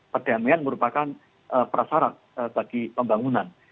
perdamaian merupakan prasarat bagi pembangunan